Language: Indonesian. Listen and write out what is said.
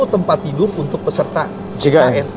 enam puluh tempat tidur untuk peserta jkn